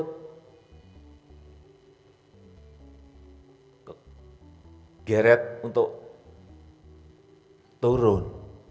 tidak geret untuk turun